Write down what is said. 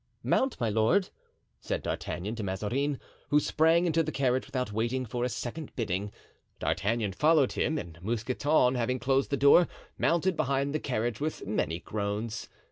"Mount, my lord," said D'Artagnan to Mazarin, who sprang into the carriage without waiting for a second bidding. D'Artagnan followed him, and Mousqueton, having closed the door, mounted behind the carriage with many groans.